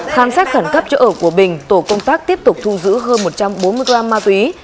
khám xét khẩn cấp chỗ ở của bình tổ công tác tiếp tục thu giữ hơn một trăm bốn mươi gram ma túy